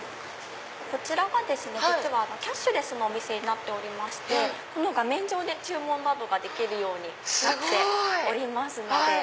こちらが実はキャッシュレスのお店になっておりましてこの画面上で注文などができるようになっております。